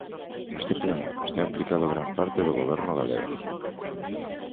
Neste plan está implicado gran parte do Goberno galego.